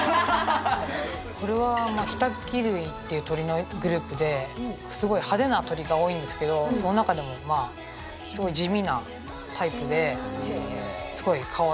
これはヒタキ類っていう鳥のグループですごい派手な鳥が多いんですけどその中でもまあすごい地味なタイプですごいかわいくて。